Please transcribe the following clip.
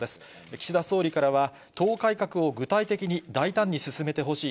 岸田総理からは、党改革を具体的に大胆に進めてほしい。